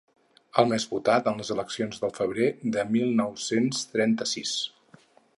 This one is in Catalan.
El més votat en les eleccions del febrer del mil nou-cents trenta-sis.